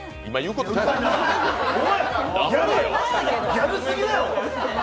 ギャルすぎやろ！